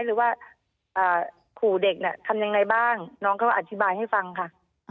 หรือว่าขู่เด็กเนี่ยทำยังไงบ้างน้องก็อธิบายให้ฟังค่ะ